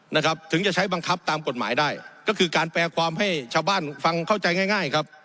นะครับถึงจะใช้บังคับตามกฎหมายได้ก็คือการแปลความให้ชาวบ้านฟังเข้าใจง่ายง่ายครับ